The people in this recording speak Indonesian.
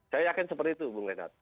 saya yakin seperti itu bung renat